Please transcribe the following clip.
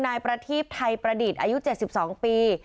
นายประทีปไทยประดิษฐ์อายุ๗๒ปี